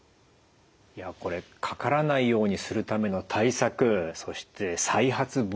いやこれかからないようにするための対策そして再発防止策